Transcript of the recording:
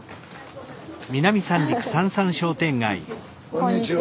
こんにちは。